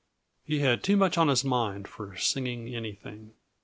He had too much on his mind for singing anything.